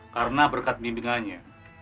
karena berkat mimpi mimpingannya